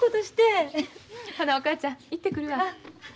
ほなお母ちゃん行ってくるわ。